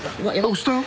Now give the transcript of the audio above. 押したよ。